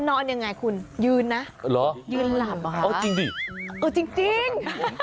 นอนยังไงคุณยืนนะหรอยืนหลับอ่ะเอาจริงดิเอาจริง